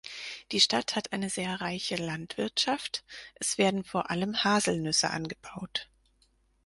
Die Stadt hat eine sehr reiche Landwirtschaft, es werden vor allem Haselnüsse angebaut.